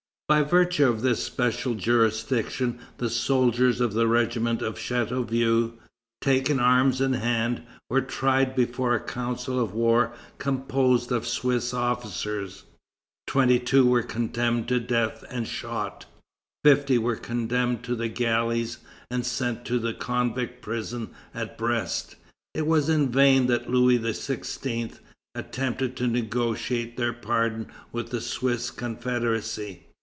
By virtue of this special jurisdiction the soldiers of the regiment of Chateauvieux, taken arms in hand, were tried before a council of war composed of Swiss officers. Twenty two were condemned to death and shot. Fifty were condemned to the galleys and sent to the convict prison at Brest. It was in vain that Louis XVI. attempted to negotiate their pardon with the Swiss Confederacy.